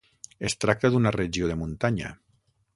Es tracta d'una regió de muntanya.